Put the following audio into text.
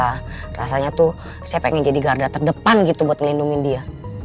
karena rasanya tuh saya pengen jadi garda terdepan gitu buat ngelindungin dia